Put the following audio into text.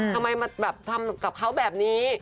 ทำไมมาแบบทำกับเขาแบบนี้